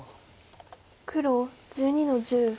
黒１２の十。